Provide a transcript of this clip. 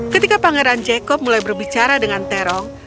ketika pangeran jacob mulai berbicara dengan terong